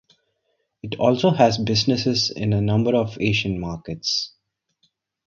It also has businesses in a number of Asian markets.